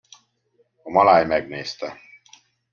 A maláj megnézte.